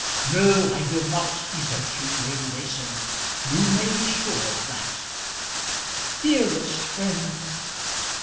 "No, I will not desert you, Lady Mason; you may be sure of that." "Dearest friend!"